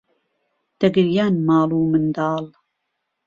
دهگریان ماڵ و منداڵ